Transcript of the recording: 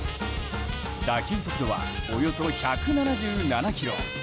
打球速度はおよそ１７７キロ。